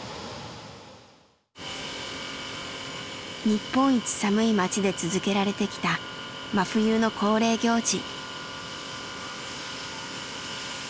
日本一寒い町で続けられてきた真冬の恒例行事。